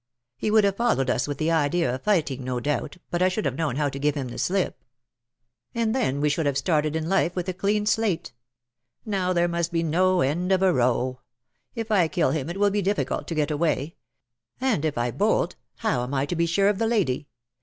He would have followed us with the idea of fighting, no doubt, but I should have known how to give him the slip. And 236 then we sliould liave started in life with a clean slate. Now there must be no end of a row. If I kill him it will be difficult to get away — and if I bolt, how am I to be sure of the lady